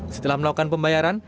setelah melakukan pembayaran